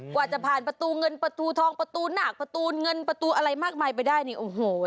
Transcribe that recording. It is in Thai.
กว่าจะผ่านประตูเงินประตูทองประตูหนักประตูเงินประตูอะไรมากมายไปได้เนี่ยโอ้โห